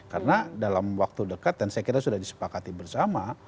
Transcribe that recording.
karena dalam waktu dekat dan saya kira sudah disepakati bersama